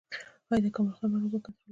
آیا د کمال خان بند اوبه کنټرولوي؟